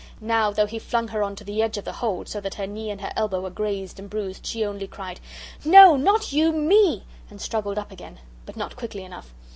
Now, though he flung her on to the edge of the hold, so that her knee and her elbow were grazed and bruised, she only cried: "No not you ME," and struggled up again. But not quickly enough.